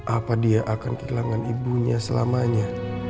apa dia akan kehilangan ibunya selamanya